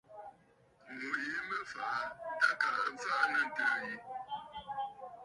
Ŋù yìi mə a fàꞌà aa tâ à ka mfaꞌa nɨ a fa aà.